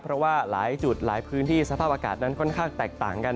เพราะว่าหลายจุดหลายพื้นที่สภาพอากาศนั้นค่อนข้างแตกต่างกัน